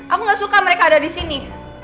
aku gak suka mereka ada di sini